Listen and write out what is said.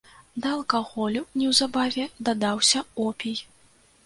Да алкаголю неўзабаве дадаўся опій.